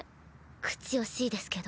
口惜しいですけど。